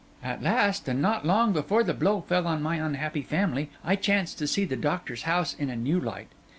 At last, and not long before the blow fell on my unhappy family, I chanced to see the doctor's house in a new light.